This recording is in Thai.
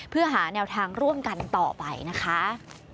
เพื่อหาแนวทางร่วมกันต่อไปนะคะ